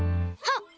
あっ！